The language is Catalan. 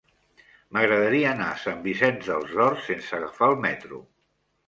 M'agradaria anar a Sant Vicenç dels Horts sense agafar el metro.